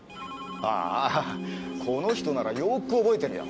ああこの人ならよく覚えてるよ。